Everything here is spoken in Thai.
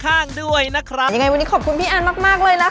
ยังไงวันนี้ขอบคุณพี่อันมากเลยนะคะ